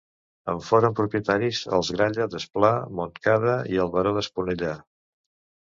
En foren propietaris els Gralla, Desplà, Montcada i el baró d'Esponellà.